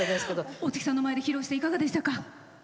大月さんの前で披露していかがでしたか？